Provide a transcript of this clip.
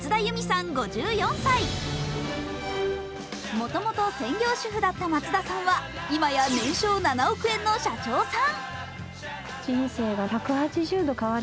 もともと専業主婦だった松田さんは今や年少７億円の社長さん。